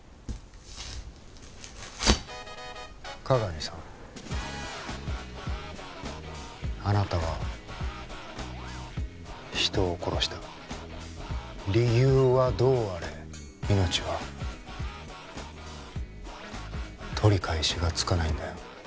加々見さんあなたは人を殺した理由はどうあれ命は取り返しがつかないんだよ